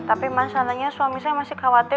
tapi masalahnya suami saya masih khawatir